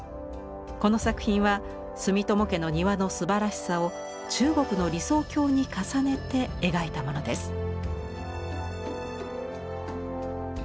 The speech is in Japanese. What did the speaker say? この作品は住友家の庭のすばらしさを中国の理想郷に重ねて描いたものです。